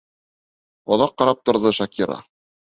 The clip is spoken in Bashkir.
Оҙаҡ ҡарап торҙо Шакира.